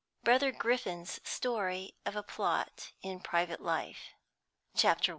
BROTHER GRIFFITH'S STORY of A PLOT IN PRIVATE LIFE. CHAPTER I.